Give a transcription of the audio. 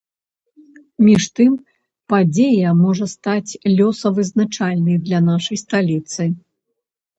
Між тым, падзея можа стаць лёсавызначальнай для нашай сталіцы.